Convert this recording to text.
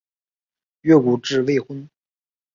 越谷治未婚。